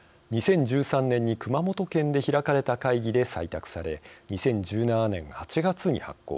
２０１３年に熊本県で開かれた会議で採択され２０１７年８月に発効。